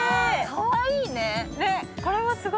かわいいね。